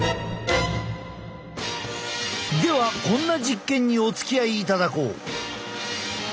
ではこんな実験におつきあいいただこう。